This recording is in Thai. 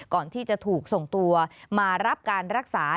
ก่อนที่จะถูกส่งตัวมารับการรักษา